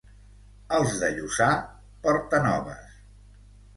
Els de Lluçà, portanoves.